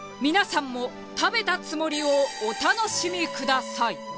皆さんも食べたつもりをお楽しみください。